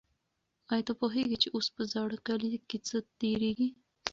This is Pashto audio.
آیا ته پوهېږې چې اوس په زاړه کلي کې څه تېرېږي؟